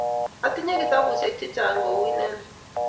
Atinye kitapusyek chechang' kou inendet.